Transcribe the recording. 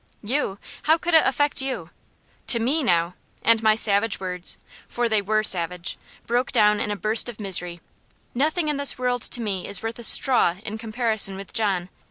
"You? How could it affect you? To me, now" and my savage words, for they were savage, broke down in a burst of misery "nothing in this world to me is worth a straw in comparison with John.